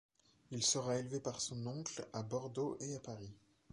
Il sera élevé par son oncle à Bordeaux et à Paris.